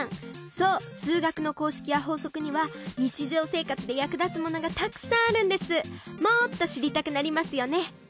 そう数学の公式や法則には日常生活で役立つものがたくさんあるんですもーっと知りたくなりますよね